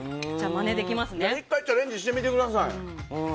チャレンジしてみてください。